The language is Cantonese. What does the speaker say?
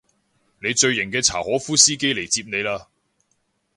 你最型嘅柴可夫司機嚟接你喇